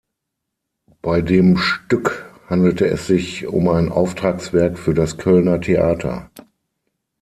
Bei dem Stück handelte es sich um ein Auftragswerk für das Kölner Theater.